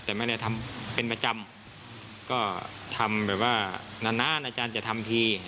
แต่ไม่ได้ทำเป็นประจำก็ทำแบบว่านานนานอาจารย์จะทำที